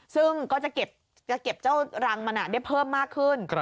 ซึ่งก็จะเก็บเจ้ารังมันได้เพิ่มมากขึ้น